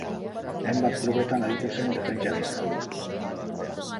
Hainbat klubetan aritu zen defentsa gisa.